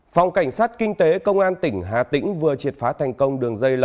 phòng cảnh sát kinh tế công an tỉnh quảng nam